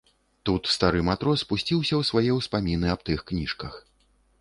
Тут стары матрос пусціўся ў свае ўспаміны аб тых кніжках.